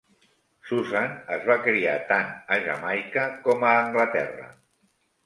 Susan es va criar tant a Jamaica com a Anglaterra.